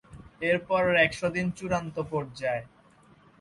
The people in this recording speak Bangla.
এরপরের একশো দিন চূড়ান্ত পর্যায়।